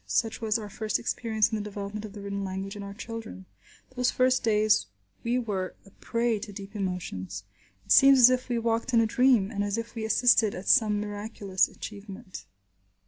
Such was our first experience in the development of the written language in our children. Those first days we were a prey to deep emotions. It seemed as if we walked in a dream, and as if we assisted at some miraculous achievement.